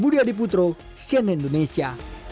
budi adiputro siena indonesia